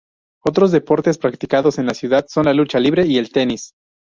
Otros deportes practicados en la ciudad son la lucha libre y el tenis.